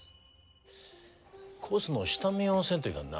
コースの下見をせんといかんな。